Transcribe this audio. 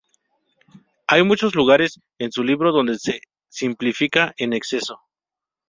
Hay muchos lugares en su libro donde se simplifica en exceso.